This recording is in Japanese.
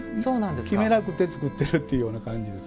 決めなくて作っているという感じです。